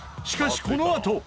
しかしこのあと。